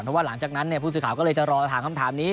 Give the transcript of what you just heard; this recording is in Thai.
เพราะว่าหลังจากนั้นผู้สื่อข่าวก็เลยจะรอถามคำถามนี้